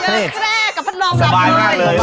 เฮียแค่กับพันรองรับเลย